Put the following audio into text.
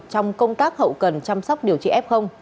trong công tác hậu cần chăm sóc điều trị f